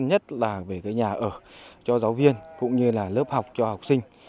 nhất là về cái nhà ở cho giáo viên cũng như là lớp học cho học sinh